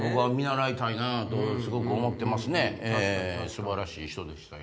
素晴らしい人でしたよ